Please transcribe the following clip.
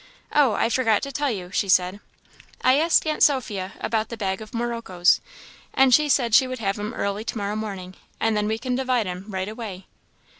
"Oh, I forgot to tell you," she said; "I asked aunt Sophia about the bag of moroccoes, and she said she would have 'em early to morrow morning, and then we can divide 'em right away."